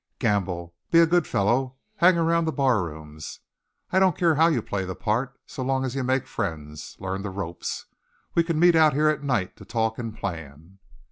"Gamble. Be a good fellow. Hang round the barrooms. I don't care how you play the part, so long as you make friends, learn the ropes. We can meet out here at nights to talk and plan.